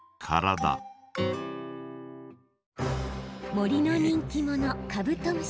森の人気者カブトムシ。